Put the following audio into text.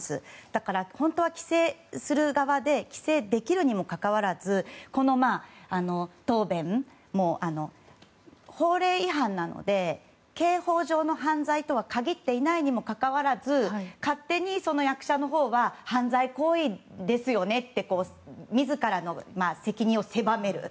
だから本当は規制する側で規制できるにもかかわらずこの答弁も、法令違反なので刑法上の犯罪とは限っていないにもかかわらず勝手に役所のほうは犯罪行為ですよねと自らの責任を狭める